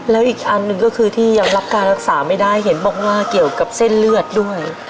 แล้วอีกอันหนึ่งก็คือที่ยังรับการรักษาไม่ได้เห็นบอกว่าเกี่ยวกับเส้นเลือดด้วย